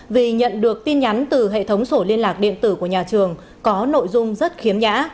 vì nhận được tin nhắn từ hệ thống sổ liên lạc điện tử của nhà trường có nội dung rất khiếm nhã